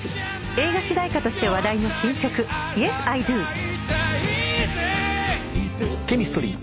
映画主題歌として話題の新曲『ｙｅｓ．Ｉ．ｄｏ』ＣＨＥＭＩＳＴＲＹ